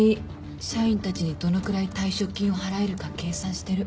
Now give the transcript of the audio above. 社員たちにどのくらい退職金を払えるか計算してる。